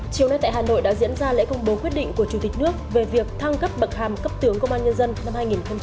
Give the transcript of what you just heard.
chiều nay tại hà nội đã diễn ra lễ công bố quyết định của chủ tịch nước về việc thăng cấp bậc hàm cấp tướng công an nhân dân năm hai nghìn hai mươi ba